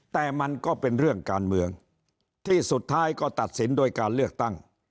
แต่มันก็เป็นเรื่องการเมืองที่สุดท้ายก็ตัดสินโดยการเลือกตั้ง